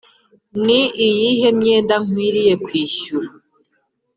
Ni iyihe myenda nkwiriye kwishyura